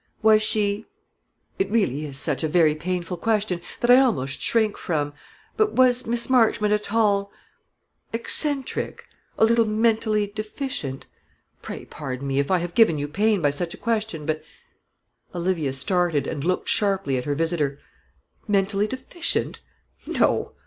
"Was she it really is such a very painful question, that I almost shrink from but was Miss Marchmont at all eccentric a little mentally deficient? Pray pardon me, if I have given you pain by such a question; but " Olivia started, and looked sharply at her visitor. "Mentally deficient? No!"